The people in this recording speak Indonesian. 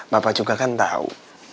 bapak juga kan tau